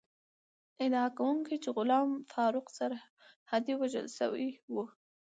ادعا کوي چې غلام فاروق سرحدی وژل شوی ؤ